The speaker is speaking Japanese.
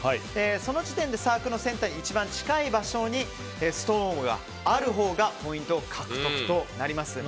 その時点でサークルのセンターに一番近い場所にストーンがあるほうがポイント獲得となります。